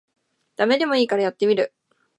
ダメでもいいからやってみる